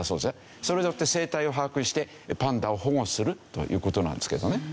それによって生態を把握してパンダを保護するという事なんですけどね。